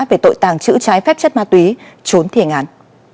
về tội tàng chữ trái phép chất ma túy trốn thiền ngàn